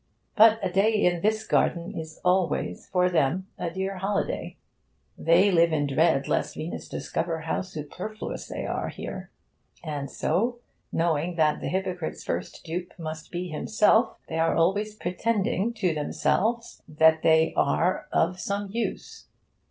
But a day in this garden is always for them a dear holiday. They live in dread lest Venus discover how superfluous they are here. And so, knowing that the hypocrite's first dupe must be himself, they are always pretending to themselves that they are of some use.